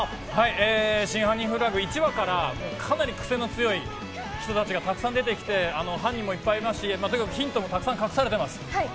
『真犯人フラグ』、１話からかなりクセの強い人たちがたくさん出てきて、犯人もいっぱいいますし、ヒントがたくさん隠されています。